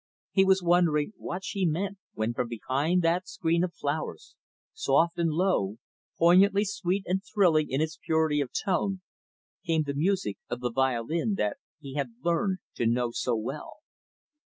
He was wondering what she meant, when, from behind that screen of flowers, soft and low, poignantly sweet and thrilling in its purity of tone, came the music of the violin that he had learned to know so well.